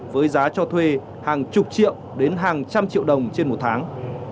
với giá cho thuê hàng chục triệu đến hàng trăm triệu đồng trên một tháng